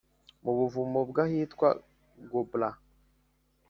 mu buvumo bwahitwa Gobra